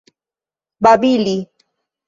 babili